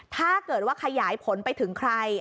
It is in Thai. ถ้าเกิดว่าขยายผลไปถึงใคร